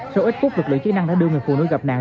sau ít phút lực lượng chức năng đã đưa người phụ nữ gặp nạn